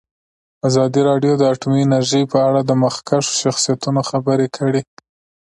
ازادي راډیو د اټومي انرژي په اړه د مخکښو شخصیتونو خبرې خپرې کړي.